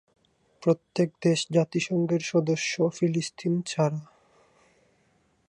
প্রত্যেক দেশ জাতিসংঘের সদস্য, ফিলিস্তিন ছাড়া।